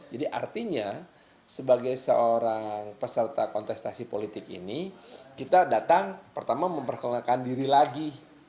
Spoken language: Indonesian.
jadi artinya sebagai seorang peserta kontestasi politik ini kita datang pertama memperkenalkan diri lagi